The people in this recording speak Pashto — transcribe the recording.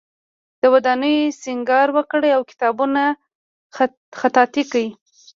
د ودانیو سینګار وکړي او کتابونه خطاطی کړي.